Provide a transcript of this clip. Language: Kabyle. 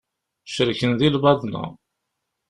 Cerken di lbaḍna.